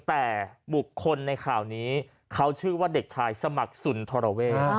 แต่บุคคลในข่าวนี้เขาชื่อว่าเด็กชายสมัครสุนทรเวศ